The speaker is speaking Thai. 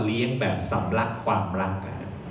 เลี้ยงแบบสำรักความรัก